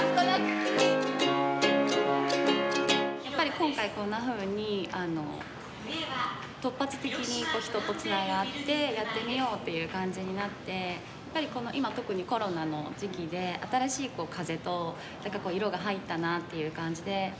やっぱり今回こんなふうに突発的に人とつながってやってみようっていう感じになってやっぱり今特にコロナの時期で新しい風と色が入ったなっていう感じで。